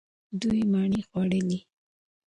دوی مڼې وخوړلې.